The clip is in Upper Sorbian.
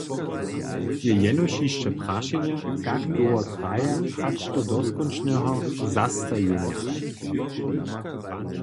Je jenož hišće prašenje, kak dołho traje hač do doskónčneho zastajenja.